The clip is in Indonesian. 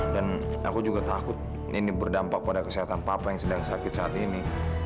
dan aku juga takut ini berdampak pada kesehatan papa yang sedang sakit saat ini